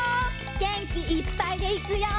げんきいっぱいでいくよ！